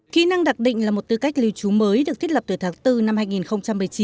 kỹ năng đặc định là một tư cách lưu trú mới được thiết lập từ tháng bốn năm hai nghìn một mươi chín